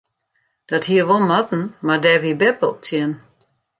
Dat hie wol moatten mar dêr wie beppe op tsjin.